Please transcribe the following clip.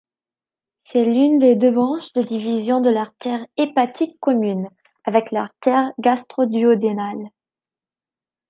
C'est l'une des deux branches de division de l'artère hépatique commune, avec l'artère gastroduodénale.